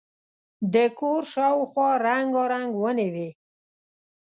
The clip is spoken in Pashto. د کور شاوخوا رنګارنګ ونې وې.